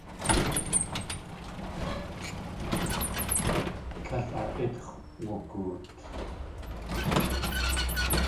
Tlél a ítx̲ wugoot.